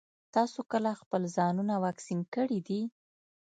تاسو کله خپل ځانونه واکسين کړي دي؟